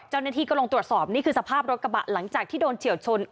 เจ้าหน้าที่ก็ลงตรวจสอบนี่คือสภาพรถกระบะหลังจากที่โดนเฉียวชน